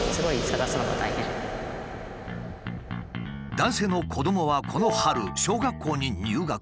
男性の子どもはこの春小学校に入学。